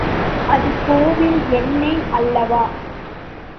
அது கோவில் எண்ணெய் அல்லவா?